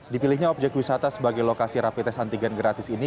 dipilihnya objek wisata sebagai lokasi rapi tes antigen gratis ini